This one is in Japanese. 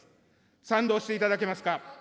賛同していただけますか。